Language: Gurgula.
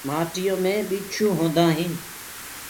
مآٽو مي ٻيڇو هوندآ هودآ هينٚ۔